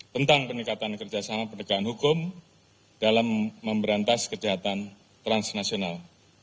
tentang peningkatan kerjasama penegakan hukum dalam memberantas kejahatan transnasional